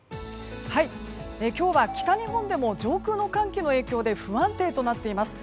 今日は北日本でも上空の寒気の影響で不安定となっています。